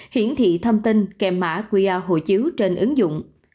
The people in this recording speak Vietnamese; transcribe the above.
hiển thị thông tin kèm mã qr hộ chiếu trên ứng dụng